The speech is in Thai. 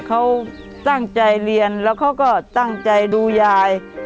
เขาตั้งใจเรียนแล้วเขาก็ตั้งใจดูยาย